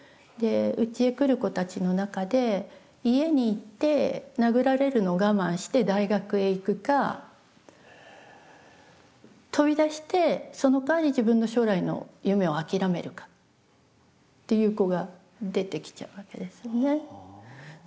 でうちへ来る子たちの中で家にいて殴られるのを我慢して大学へ行くか飛び出してそのかわり自分の将来の夢を諦めるかっていう子が出てきちゃうわけですよね。